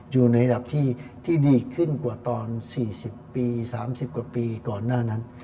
อยู่ในระดับที่ดีขึ้นกว่าตอน๔๐ปี๓๐กว่าปีก่อนหน้านั้น